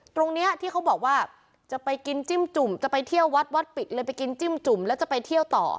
ตรงนี้ที่เขาบอกว่าจะไปกินจิ้มจุ่มจะไปเที่ยววัดวัดปิดเลยไปกินจิ้มจุ่มแล้วจะไปเที่ยวต่อ